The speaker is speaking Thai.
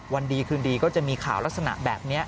วันดีคืนดีก็จะมีข่าวลักษณะแบบนี้